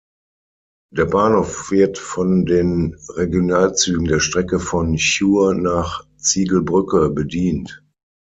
Der Bahnhof wird von den Regionalzügen der Strecke von Chur nach Ziegelbrücke bedient.